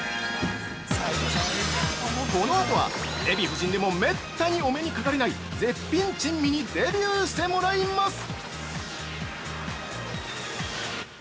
◆この後は、デヴィ夫人でも滅多にお目にかかれない絶品珍味にデヴューしてもらいます！